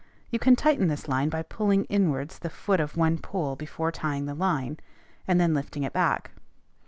You can tighten this line by pulling inwards the foot of one pole before tying the line, and then lifting it back.